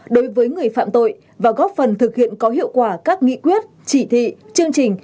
đối với người phạm tội và góp phần thực hiện có hiệu quả các nghị quyết chỉ thị chương trình